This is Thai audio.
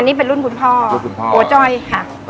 อันนี้เป็นรุ่นคุณพ่อโก้จ้อยค่ะ